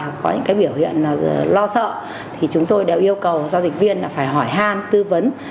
hoặc có những biểu hiện lo sợ thì chúng tôi đều yêu cầu giao dịch viên phải hỏi han tư vấn